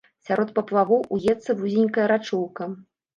Сярод паплавоў уецца вузенькая рачулка.